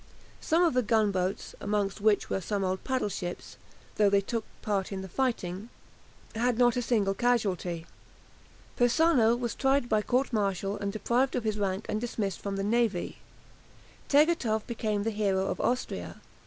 Some of the gunboats, among which were some old paddle ships, though they took part in the fighting, had not a single casualty. Persano was tried by court martial and deprived of his rank and dismissed from the navy. Tegethoff became the hero of Austria.